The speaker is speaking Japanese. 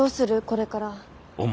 これから。